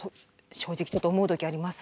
正直ちょっと思う時あります。